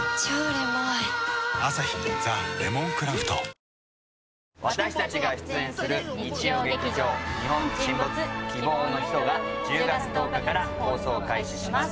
それでは正解発表私たちが出演する「日曜劇場日本沈没−希望のひと−」が１０月１０日から放送開始します